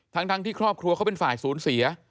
ทั้งที่ครอบครัวเขาเป็นฝ่ายศูนย์เสีย